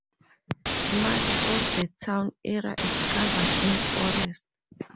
Much of the town area is covered in forest.